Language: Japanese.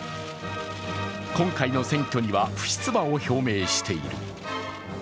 今回の選挙には不出馬を表明している。